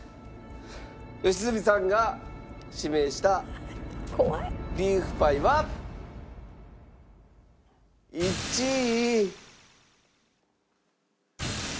良純さんが指名したリーフパイは１位。